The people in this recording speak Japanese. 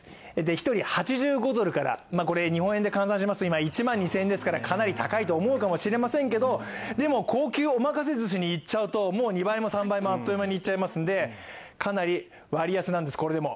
１人８５ドルから、日本円で換算すると１万２０００円ですからかなり高いと思うかもしれませんけど高級お任せすしに行ってしまうともう２倍も３倍もあっという間にいっちゃいますのでかなり割安なんです、これでも。